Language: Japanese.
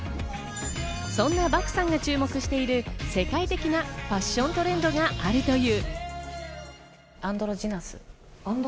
そんな漠さんが注目している世界的なファッショントレンドがあるという。